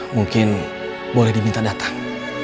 mungkin boleh diminta datang